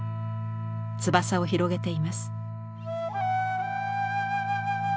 翼を広げています。